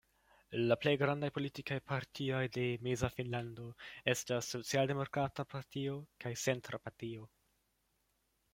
La plej grandaj politikaj partioj de Meza Finnlando estas Socialdemokrata Partio kaj Centra Partio.